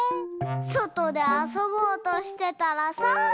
そとであそぼうとしてたらさ。